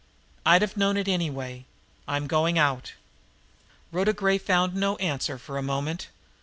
I'd have known it anyway. I'm going out." Rhoda Gray found no answer for a moment.